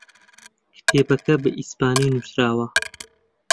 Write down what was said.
کتێبەکە بە ئیسپانی نووسراوە.